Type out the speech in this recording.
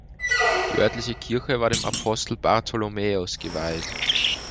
Die örtliche Kirche war dem Apostel Bartholomäus geweiht.